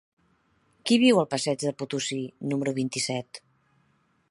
Qui viu al passeig de Potosí número vint-i-set?